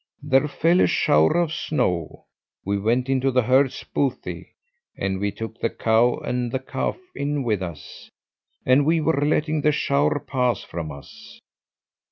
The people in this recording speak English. There fell a shower of snow. We went into the herd's bothy, and we took the cow and the calf in with us, and we were letting the shower pass from us.